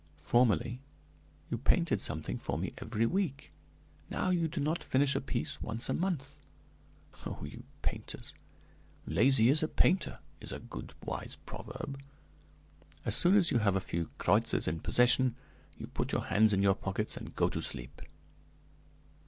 Formerly you painted something for me every week; now you do not finish a piece once a month. Oh, you painters! 'Lazy as a painter' is a good, wise proverb. As soon as you have a few kreutzers in possession, you put your hands in your pockets and go to sleep!"